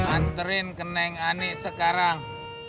anterin ke neng anik sekarang